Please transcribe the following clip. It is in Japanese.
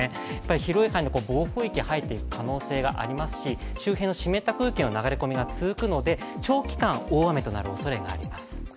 広い範囲、暴風域に入っていく可能性がありますし周辺の湿った空気の流れ込みが続くので長期間大雨となるおそれがあります。